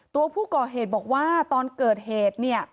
ตัวผู้ก่อเหตุบอกว่าตอนเกิดเหตุเนี่ย